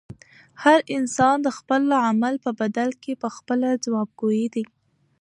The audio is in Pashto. هر انسان د خپل عمل په بدل کې پخپله ځوابګوی دی.